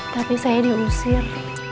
tapi saya diusir